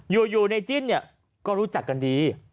อยู่ในจิ้นเนี่ยก็รู้จักกันดี